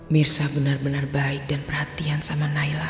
mirsa bener bener baik dan perhatian sama nailah